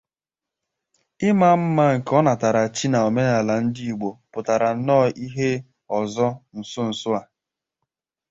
Ịma mma nke ọnatarachi na omenala ndị Igbo pụtàrànnọọ ìhè ọzọ nso nso a